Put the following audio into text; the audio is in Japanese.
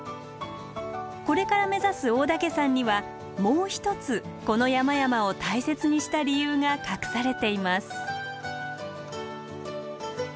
これから目指す大岳山にはもう一つこの山々を大切にした理由が隠されています。